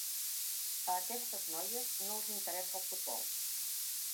A aquestes noies, no els interessa el futbol.